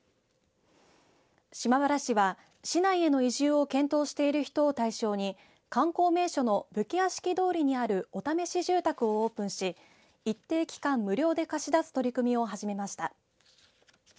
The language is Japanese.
島原市は、市内への移住を検討している人を対象に観光名所の武家屋敷通りにあるお試し住宅をオープンし一定期間無料で貸し出す取り組みを始めました。